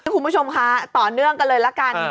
คุณผู้ชมคะต่อเนื่องกันเลยละกัน